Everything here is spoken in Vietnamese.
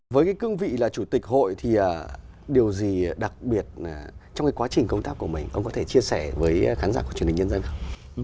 với cái cương vị là chủ tịch hội thì điều gì đặc biệt trong cái quá trình công tác của mình ông có thể chia sẻ với khán giả của truyền hình nhân dân không